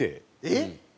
えっ？